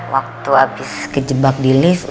waktu habis kejebak di lift